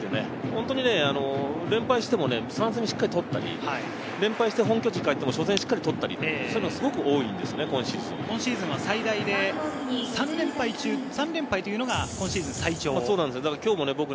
本当に連敗しても３戦目をしっかりとったり、連敗して本拠地に帰って初戦をしっかり取ったりっていうのがすごく多いんですよね、今シーズンは最大で３連敗というのが最長。